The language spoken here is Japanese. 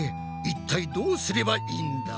いったいどうすればいいんだ？